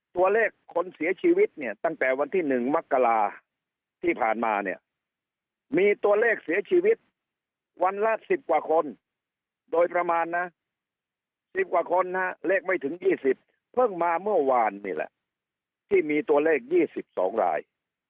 ตัวเลขคนเสียชีวิตเนี่ยตั้งแต่วันที่๑มกราที่ผ่านมาเนี่ยมีตัวเลขเสียชีวิตวันละ๑๐กว่าคนโดยประมาณนะ๑๐กว่าคนนะเลขไม่ถึง๒๐เพิ่งมาเมื่อวานนี่แหละที่มีตัวเลข๒๒ราย